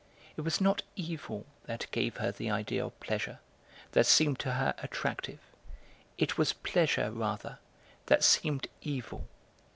It was not evil that gave her the idea of pleasure, that seemed to her attractive; it was pleasure, rather, that seemed evil.